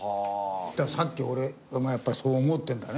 だからさっき俺もやっぱそう思ってるんだね。